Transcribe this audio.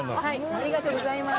ありがとうございます。